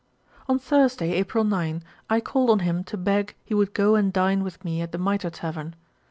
On Thursday, April 9, I called on him to beg he would go and dine with me at the Mitre tavern.